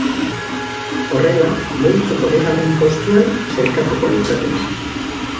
Horrela, multzoko bigarren postuan sailkatuko litzateke.